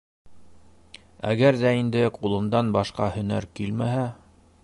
Әгәр ҙә инде ҡулыңдан башҡа һәнәр килмәһә...